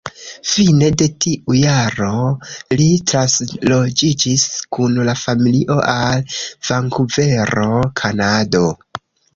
Fine de tiu jaro li transloĝiĝis kun la familio al Vankuvero, Kanado.